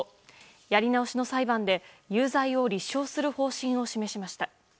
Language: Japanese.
やり直しの裁判で、有罪を立証する方針を示しました。